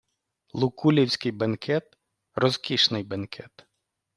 Лукуллівський бенкет - розкішний бенкет